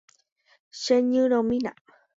Cheñyrõmi.